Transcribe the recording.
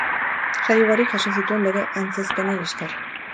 Sari ugari jaso zituen bere antzezpenei esker.